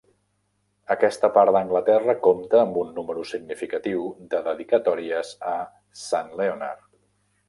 Aquesta part d'Anglaterra compta amb un número significatiu de dedicatòries a Sant Leonard.